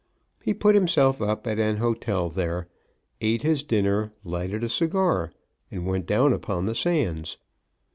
He put himself up at an hotel there, eat his dinner, lighted a cigar, and went down upon the sands.